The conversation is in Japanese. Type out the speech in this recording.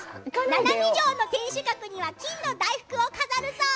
ななみ城の天守閣には金の大福を飾るぞ！